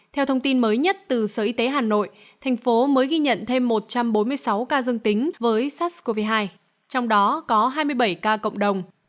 theo thông tin mới nhất từ sở y tế hà nội thành phố mới ghi nhận thêm một trăm bốn mươi sáu ca dương tính với sars cov hai trong đó có hai mươi bảy ca cộng đồng